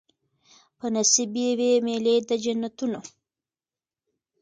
په نصیب یې وي مېلې د جنتونو